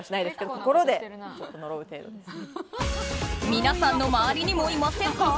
皆さんの周りにもいませんか？